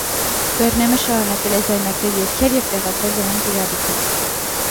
Բերնեմը շարունակել է ձայնագրել երգեր և տեղադրել դրանք իր ալիքում։